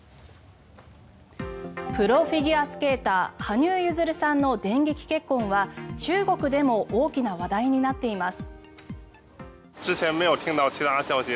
プロフィギュアスケーター羽生結弦さんの電撃結婚は中国でも大きな話題になっています。